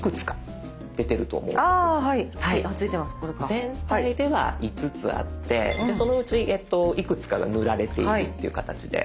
全体では５つあってそのうちいくつかが塗られているっていう形で。